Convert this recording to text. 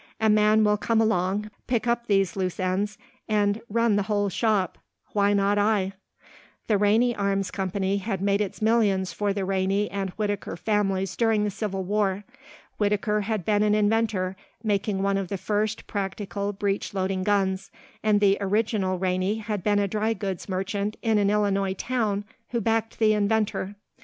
"A man will come along, pick up these loose ends, and run the whole shop. Why not I?" The Rainey Arms Company had made its millions for the Rainey and Whittaker families during the Civil War. Whittaker had been an inventor, making one of the first practical breech loading guns, and the original Rainey had been a dry goods merchant in an Illinois town who backed the inventor.